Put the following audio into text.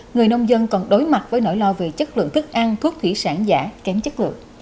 người nông dân còn đối mặt với nỗi lo về chất lượng thức ăn thuốc thủy sản giả kém chất lượng